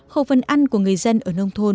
khẩu phần ăn của người dân ở nông thôn